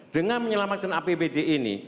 dengan menyelamatkan apbd ini